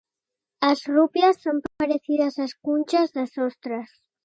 As rupias son parecidas ás cunchas das ostras.